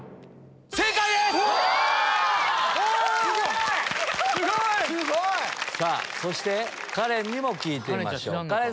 すごい！そしてカレンにも聞いてみましょう！